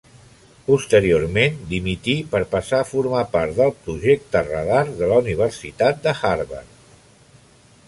Posteriorment, dimití per passar a formar part del projecte Radar de la Universitat Harvard.